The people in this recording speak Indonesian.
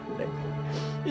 kita akan ketemu lagi